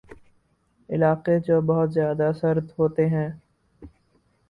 علاقے جو بہت زیادہ سرد ہوتے ہیں